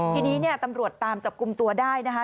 ทีนี้เนี่ยตำรวจตามจับกลุ่มตัวได้นะคะ